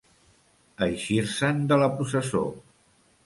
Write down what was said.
Eixir-se'n de la processó.